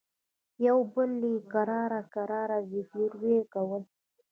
يوه بل يې کرار کرار زګيروي کول.